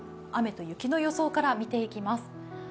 雨と雪の予想から見ていきます。